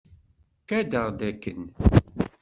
Kadeɣ-d akken.